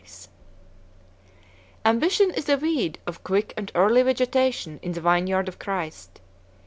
] Ambition is a weed of quick and early vegetation in the vineyard of Christ.